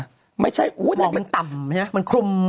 หมอกมันต่ำใช่มั้ยครับมันคลุม